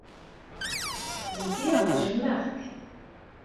Zgiɣ jjmeɣ-k.